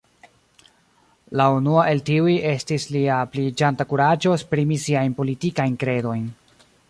La unua el tiuj estis lia pliiĝanta kuraĝo esprimi siajn politikajn kredojn.